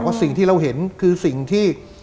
สิ่งที่เราเห็นคือสิ่งที่